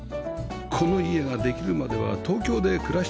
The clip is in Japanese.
この家ができるまでは東京で暮らしていたご家族